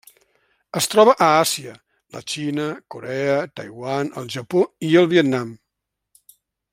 Es troba a Àsia: la Xina, Corea, Taiwan, el Japó i el Vietnam.